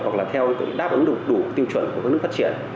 hoặc là theo đáp ứng đủ tiêu chuẩn của các nước phát triển